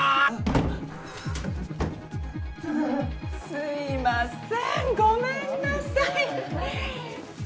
すいませんごめんなさい。